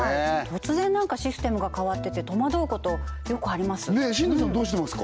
突然なんかシステムが変わってて戸惑うことよくあります